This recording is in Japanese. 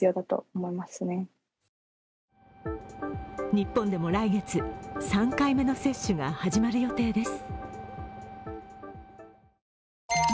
日本でも来月、３回目の接種が始まる予定です。